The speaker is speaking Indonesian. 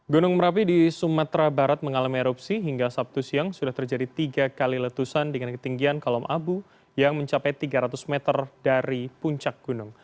gunung merapi di sumatera barat mengalami erupsi hingga sabtu siang sudah terjadi tiga kali letusan dengan ketinggian kolom abu yang mencapai tiga ratus meter dari puncak gunung